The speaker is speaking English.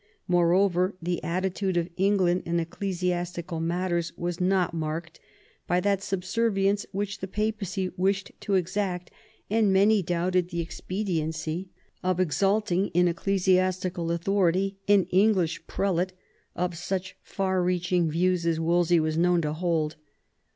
Moreover, the attitude of England in ecclesiastical matters was not marked by that subservience which the Papacy wished to exact, and many doubted the ex pediency of exalting in ecclesiastical authority an English prelate of such far reaching views as Wolsey was known to hold.